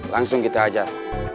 langsung kita hajar